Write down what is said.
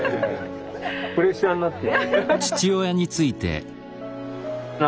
プレッシャーになってるんですよ。